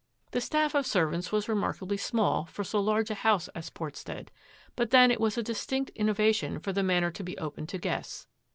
The staff of servants was remarkably small for so large a house as Portstead, but then it was a distinct innovation for the Manor to be open to guests.